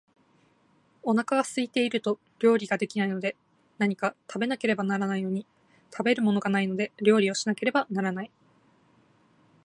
お腹が空いていると料理が出来ないので、何か食べなければならないのに、食べるものがないので料理をしなければならない